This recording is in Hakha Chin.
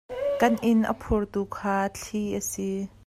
Kan inn a phurtu kha thli a si.